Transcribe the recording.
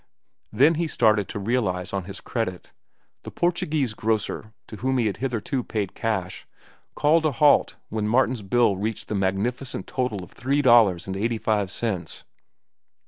Then he startled to realize on his credit. The Portuguese grocer, to whom he had hitherto paid cash, called a halt when Martin's bill reached the magnificent total of three dollars and eighty five cents.